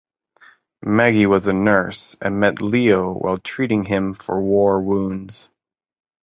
Maggie was a nurse and met Leo while treating him for war wounds.